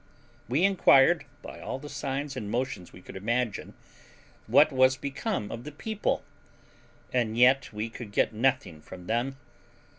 We inquired, by all the signs and motions we could imagine, what was become of the people, and yet we could get nothing from them.